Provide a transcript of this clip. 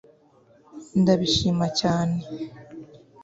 Ndabishima cyane